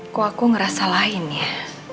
kok aku ngerasa lain ya